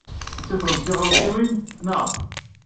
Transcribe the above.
Tettakremt tiɣawsiwin, naɣ?